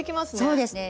そうですね。